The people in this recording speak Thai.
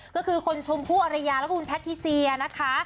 ก็คือคนชมผู้อรรยาและคุณแพทย์ที่เซียนะคะ